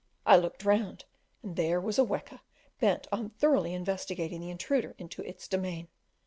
I looked round, and there was a weka bent on thoroughly investigating the intruder into its domain.